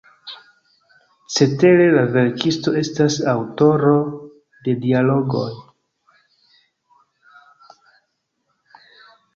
Cetere la verkisto estas aŭtoro de dialogoj.